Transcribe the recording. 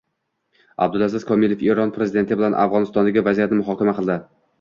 Abdulaziz Komilov Eron prezidenti bilan Afg‘onistondagi vaziyatni muhokama qildi